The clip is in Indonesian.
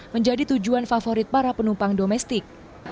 menjadi tujuan favorit para penumpang domestik